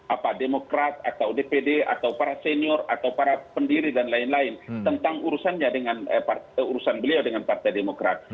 apa demokrat atau dpd atau para senior atau para pendiri dan lain lain tentang urusannya dengan urusan beliau dengan partai demokrat